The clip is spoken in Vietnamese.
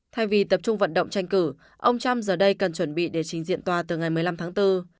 thay vì tập trung vận động tranh cử ông trump giờ đây cần chuẩn bị để trình diện tòa từ ngày một mươi năm tháng bốn